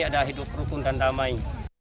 ada hidup rukun dan damai